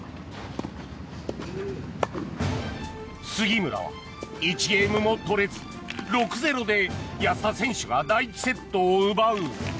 杉村は１ゲームも取れず６−０で安田選手が第１セットを奪う。